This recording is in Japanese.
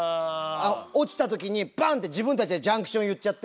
落ちた時にバンって自分たちでジャンクション言っちゃって。